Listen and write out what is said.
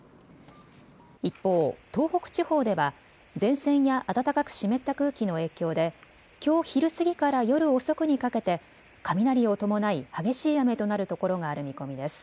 一方、東北地方では前線や暖かく湿った空気の影響できょう昼過ぎから夜遅くにかけて雷を伴い激しい雨となるところがある見込みです。